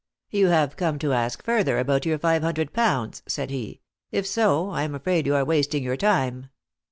"You have come to ask further about your five hundred pounds," said he; "if so, I am afraid you are wasting your time."